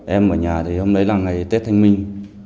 em ở nhà thì hôm đấy là ngày tết thanh minh